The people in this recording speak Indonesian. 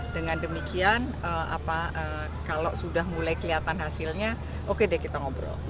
dengan demikian kalau sudah mulai kelihatan hasilnya oke deh kita ngobrol